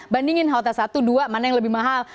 bandingin hotel satu dua mana yang lebih mahal